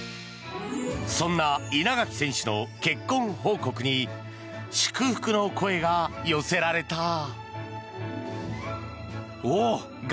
そんな稲垣選手の結婚報告に祝福の声が寄せられた。